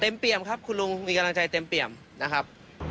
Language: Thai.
เปี่ยมครับคุณลุงมีกำลังใจเต็มเปี่ยมนะครับ